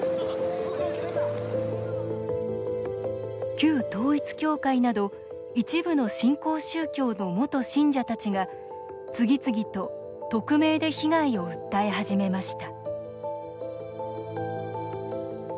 旧統一教会など一部の新興宗教の元信者たちが次々と匿名で被害を訴え始めました